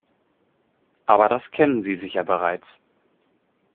Aber das kennen Sie sicher bereits.